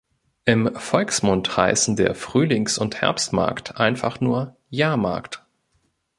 Im Volksmund heissen der Frühlings- und Herbstmarkt einfach nur «Jahrmarkt».